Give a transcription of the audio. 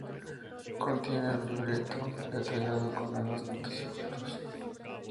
Contiene un libreto detallado con nuevas notas y fotos.